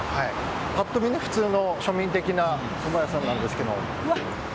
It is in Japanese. パッと見は普通の庶民的なそば屋さんなんですけど。